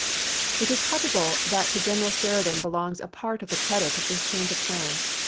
It is probable that to General Sheridan belongs a part of the credit of this change of plan.